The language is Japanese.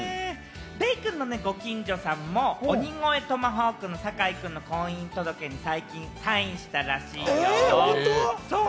デイくんのね、ご近所さんも鬼越トマホークの坂井くんの婚姻届に最近サインしたらしいよ。